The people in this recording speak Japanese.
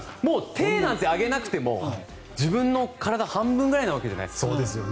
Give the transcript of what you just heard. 手なんて上げなくても自分の体半分ぐらいなわけじゃないですか。